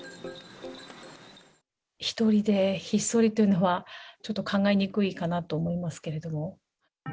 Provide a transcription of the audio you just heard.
一人でひっそりというのは、ちょっと考えにくいかなと思いますけども。